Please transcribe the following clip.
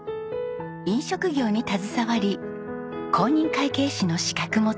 飲食業に携わり公認会計士の資格も取ります。